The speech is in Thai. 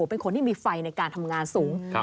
เป็นคนที่มีไฟในการทำงานสูง